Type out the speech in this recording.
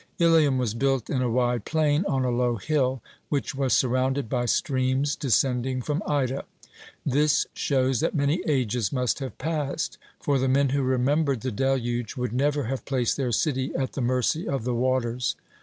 Ilium was built in a wide plain, on a low hill, which was surrounded by streams descending from Ida. This shows that many ages must have passed; for the men who remembered the deluge would never have placed their city at the mercy of the waters.